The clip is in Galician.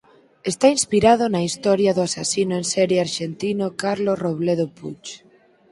Está inspirado na historia do asasino en serie arxentino Carlos Robledo Puch.